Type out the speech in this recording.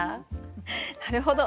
なるほど。